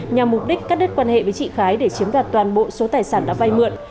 nhằm mục đích cắt đứt quan hệ với chị khái để chiếm đoạt toàn bộ số tài sản đã vay mượn